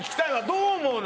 どう思うの？